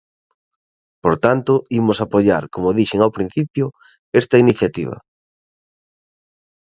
Por tanto, imos apoiar, como dixen ao principio, esta iniciativa.